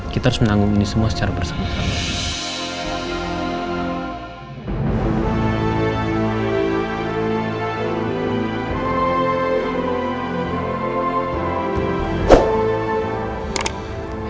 kita harus menanggung ini semua secara bersama sama